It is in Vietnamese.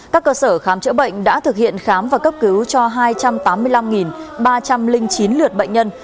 các cơ sở khám chữa bệnh đã thực hiện khám và cấp cứu cho hai trăm tám mươi năm ba trăm linh chín lượt bệnh nhân